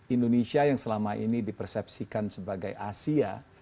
indonesia yang selama ini di persepsikan sebagai asia